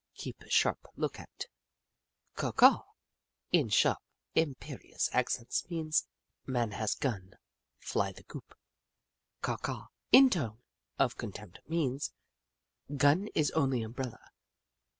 Keep sharp lookout." Caw Caw — In sharp, imperious accents, means :" Man has gun. Fly the coop." Caw Caw — In a tone of contempt, means :" Gun is only umbrella.